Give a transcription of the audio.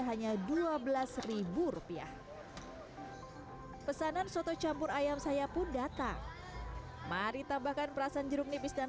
hanya dua belas rupiah pesanan soto campur ayam saya pun datang mari tambahkan perasan jeruk nipis dan